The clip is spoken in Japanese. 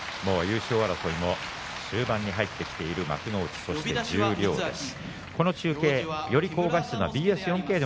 優勝争いも終盤に入ってきている幕内十両です。